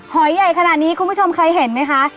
หอยใหญ่ขนาดนี้คุณผู้ชมเคยเห็นไหมคะ